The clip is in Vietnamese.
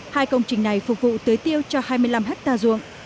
hai công trình này phục vụ tưới tiêu cho hai mươi năm hectare ruộng